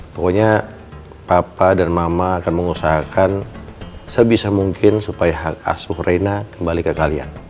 pokoknya papa dan mama akan mengusahakan sebisa mungkin supaya hak asuh reina kembali ke kalian